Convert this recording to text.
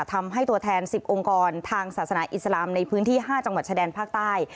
ทำให้ตัวแทน๑๐องค์กรทางศาสนาอิสลามในพื้นที่๕จังหวัดชายแดนภาคใต้